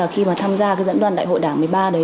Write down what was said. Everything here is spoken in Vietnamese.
khi mà tham gia cái dẫn đoàn đại hội đảng một mươi ba đấy